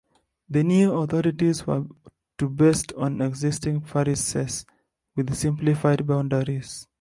The new authorities were to based on existing parishes with simplified boundaries.